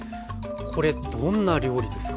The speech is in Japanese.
これどんな料理ですか？